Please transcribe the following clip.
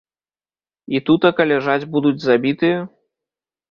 І тутака ляжаць будуць забітыя?